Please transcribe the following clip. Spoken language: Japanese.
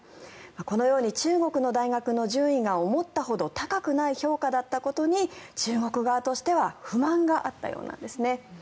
このように中国の大学の順位が思ったほど高くない評価だったことに中国側としては不満があったようなんです。